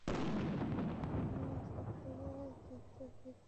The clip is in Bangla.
কোন কাফেলার যাত্রাবিরতি শিবির মাত্র।